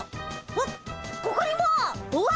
わっここにも！わ！